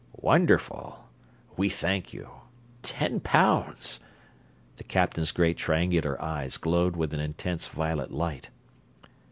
"Wonderful we thank you. Ten pounds!" The captain's great triangular eyes glowed with an intense violet light.